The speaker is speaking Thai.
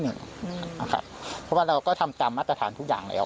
เพราะว่าเราก็ทำตามมาตรฐานทุกอย่างแล้ว